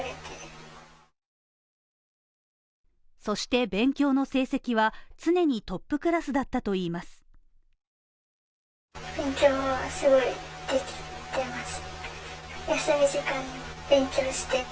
そして勉強の成績は常にトップクラスだったといいます。